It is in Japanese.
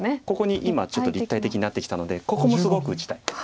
ここに今ちょっと立体的になってきたのでここもすごく打ちたい。